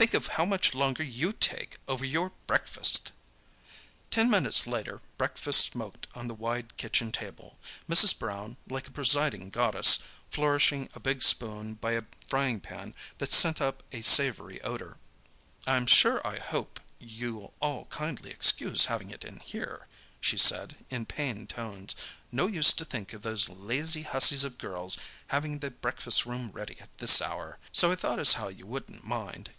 "Think of how much longer you take over your breakfast!" Ten minutes later breakfast smoked on the wide kitchen table, Mrs. Brown, like a presiding goddess, flourishing a big spoon by a frying pan that sent up a savoury odour. "I'm sure I hope you'll all kindly excuse having it in here," she said in pained tones. "No use to think of those lazy hussies of girls having the breakfast room ready at this hour. So I thought as how you wouldn't mind."